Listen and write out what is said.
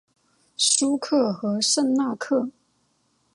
叙克和圣纳克。